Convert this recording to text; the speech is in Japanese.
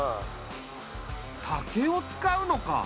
竹を使うのか。